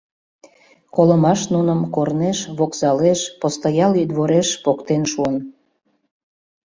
Колымаш нуным корнеш, вокзалеш, постоялый двореш поктен шуын.